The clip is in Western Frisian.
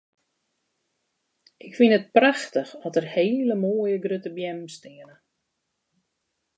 Ik fyn it prachtich at der hele moaie grutte beammen steane.